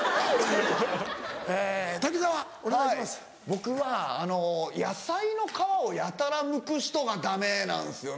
僕は野菜の皮をやたらむく人がダメなんですよね。